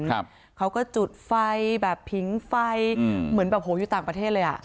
ครับเขาก็จุดไฟแบบผิงไฟอืมเหมือนแบบโหอยู่ต่างประเทศเลยอ่ะ